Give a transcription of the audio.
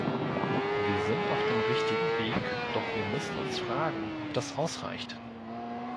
Wir sind auf dem richtigen Weg, doch wir müssen uns fragen, ob das ausreicht.